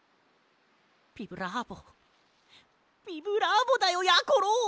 ビブラーボビブラーボだよやころ！